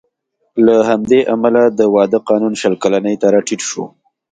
له همدې امله د واده قانون شل کلنۍ ته راټیټ شو